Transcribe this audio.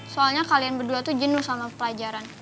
soalnya kalian berdua tuh jenuh sama pelajaran